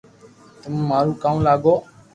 تمو مارو ڪاو لاگو